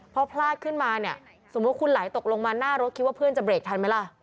พอพลาดขึ้นมาเนี่ยสมมุติคุณไหลตกลงมาหน้ารถคิดว่าเพื่อนจะเรกทันไหมล่ะ